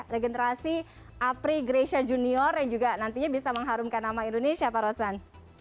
regenerasi apri grecia junior yang juga nantinya bisa mengharumkan nama indonesia pak rosan